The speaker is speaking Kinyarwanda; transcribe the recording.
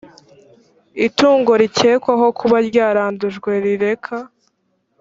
itungo rikekwaho kuba ryarandujwe rireka